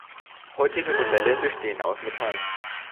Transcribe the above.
Heutige Modelle bestehen aus Metall.